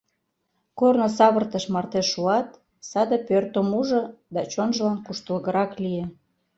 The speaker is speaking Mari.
Корно савыртыш марте шуат, саде пӧртым ужо да чонжылан куштылгырак лие.